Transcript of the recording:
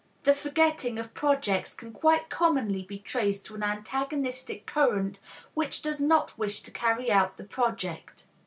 The forgetting of projects can quite commonly be traced to an antagonistic current which does not wish to carry out the project.